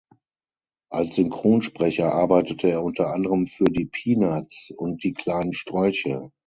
Als Synchronsprecher arbeitete er unter anderem für "Die Peanuts" und "Die kleinen Strolche".